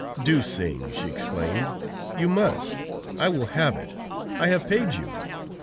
"Do sing!" she exclaimed. "You must; I will have it; I have paid you."